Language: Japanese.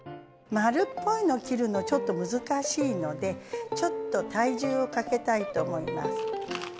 まるっぽいのを切るのちょっと難しいのでちょっと体重をかけたいと思います。